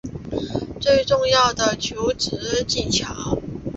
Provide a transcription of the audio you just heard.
更重要的是求职技巧